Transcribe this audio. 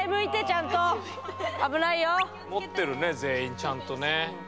持ってるね全員ちゃんとね。